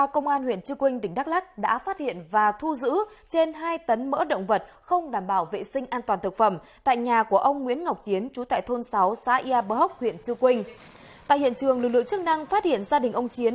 các bạn hãy đăng ký kênh để ủng hộ kênh của chúng mình nhé